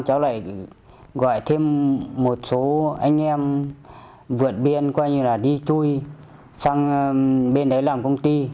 cháu lại gọi thêm một số anh em vượt biên coi như là đi chui sang bên đấy làm công ty